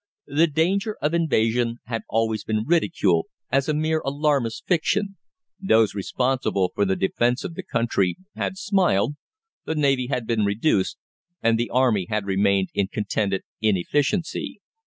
The danger of invasion had always been ridiculed as a mere alarmist's fiction; those responsible for the defence of the country had smiled, the Navy had been reduced, and the Army had remained in contented inefficiency.